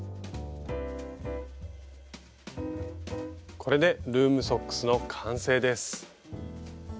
これでルームソックスの完成です。